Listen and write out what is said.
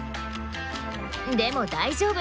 でも大丈夫！